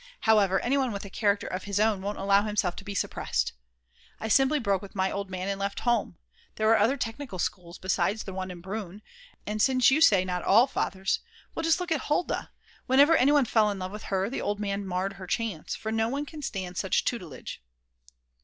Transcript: However, anyone with a character of his own won't allow himself to be suppressed. I simply broke with my Old Man and left home; there are other technical schools besides the one in Brunn. And since you say not all fathers; well just look at Hulda; whenever anyone fell in love with her the Old Man marred her chance, for no one can stand such tutelage."